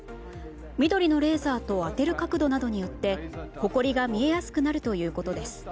緑のレーザーと当てる角度などによってほこりが見えやすくなるということです。